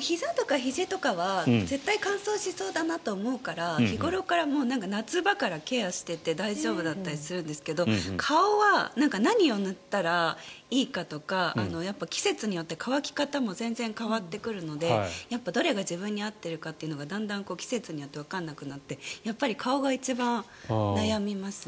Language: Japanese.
ひざとかひじとかは絶対乾燥しそうだと思うから日ごろから夏場からケアをしていて大丈夫だと思うんですが顔は何を塗ったらいいかとか季節によって乾き方も全然変わってくるのでどれが自分に合っているのかが季節によって、だんだんわからなくなってくるのでやっぱり顔が一番悩みますね。